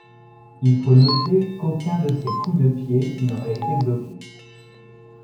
Il faut noter qu'aucun de ses coups de pied n'aura été bloqué.